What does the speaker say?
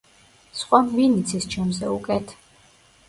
სხვამ ვინ იცის ჩემზე უკეთ?